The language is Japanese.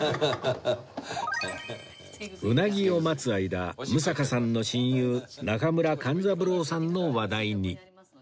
鰻を待つ間六平さんの親友中村勘三郎さんの話題に